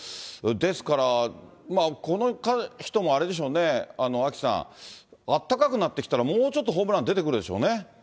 ですから、この人もあれでしょうね、アキさん、あったかくなってきたら、もうちょっとホームラン出てくるでしょうね。